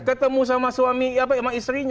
ketemu sama suami apa sama istrinya